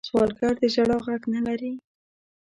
سوالګر د ژړا غږ نه لري